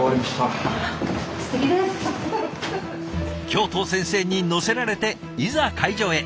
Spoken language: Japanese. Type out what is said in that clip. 教頭先生に乗せられていざ会場へ。